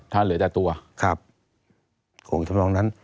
ถ้าเหลือแต่ตัวอาชีพครับเขาจะน้องนั้น